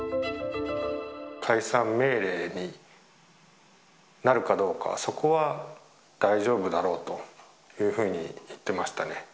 解散命令になるかどうか、そこは大丈夫だろうというふうに言ってましたね。